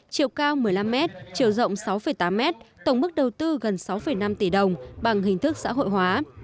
chiều cao một mươi năm m chiều rộng sáu tám m tổng mức đầu tư gần sáu năm tỷ đồng bằng hình thức xã hội hóa